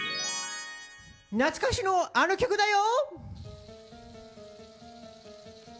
懐かしのあの曲だよ！